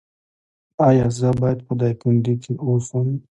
ایا زه باید په دایکندی کې اوسم؟